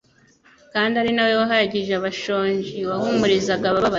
kandi ari na we wahagije abashonji wahumurizaga abababaye,